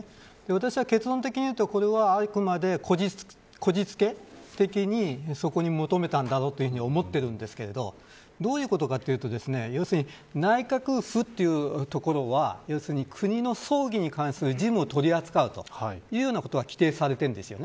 私は結論的に言うとこれはあくまでこじつけ的にそこに求めたんだろうと思っているんですがどういうことかというと内閣府というところは国の葬儀に関する事務を取り扱うということが規定されているんです。